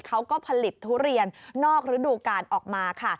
เขาก็ผลิตทุเรียนนอกระดูกาลออกมาค่ะ